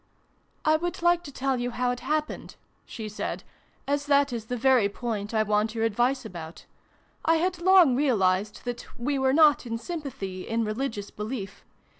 " I would like to tell you how it happened," she said ; "as that is the very point I want your advice about. I had long realised that we were not in sympathy in religious belief.